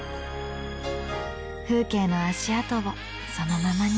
風景の足跡をそのままに。